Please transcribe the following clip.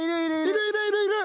いるいるいるいる！